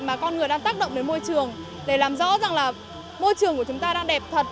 mà con người đang tác động đến môi trường để làm rõ rằng là môi trường của chúng ta đang đẹp thật